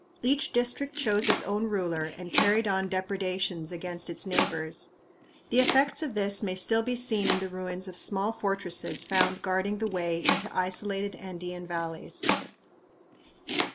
Each district chose its own ruler and carried on depredations against its neighbors. The effects of this may still be seen in the ruins of small fortresses found guarding the way into isolated Andean valleys.